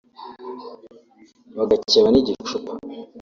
bagakeba n’igicupa